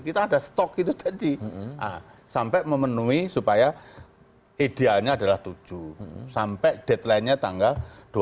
kita ada stok itu jadi sampai memenuhi supaya idealnya adalah tujuh sampai deadline nya tanggal